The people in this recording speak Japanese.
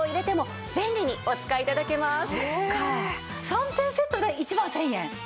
３点セットで１万１０００円！？